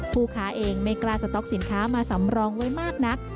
ผู้ค้าเองไม่กล้าสต๊อกสินค้ามาสำรองไว้มากนัก